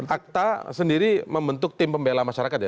akta sendiri membentuk tim pembela masyarakat ya